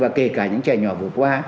và kể cả những trẻ nhỏ vừa qua